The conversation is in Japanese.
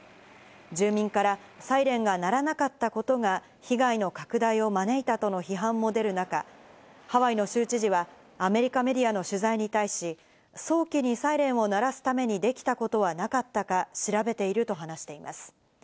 住民からサイレンが鳴らなかったことが被害の拡大を招いたとの批判も出る中、ハワイの州知事はアメリカメディアの取材に対し、早期にサイレンを鳴らすためにできたことはなかったか調べていると話しています。